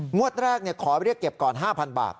งวดแรกขอเรียกเก็บก่อน๕๐๐บาท